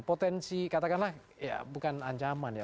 potensi katakanlah ya bukan ancaman ya